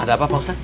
ada apa pak ustadz